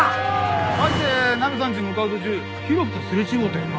火事でナミさんちに向かう途中浩喜とすれ違うたよな？